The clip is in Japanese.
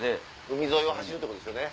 海沿いを走るってことですよね。